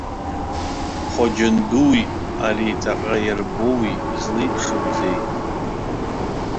Хоџьан дуи ари ҵаҟа иарбоуи злеиԥшымзеи?